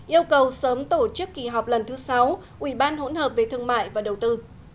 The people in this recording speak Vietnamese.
yêu cầu sớm tổ chức kỳ họp lần thứ sáu ubhvt và đầu tư